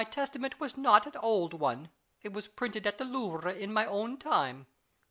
31 Testameut was not an old one : it was printed at the Louvre in my own time.